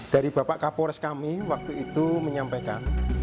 dari bapak kapolres kami waktu itu menyampaikan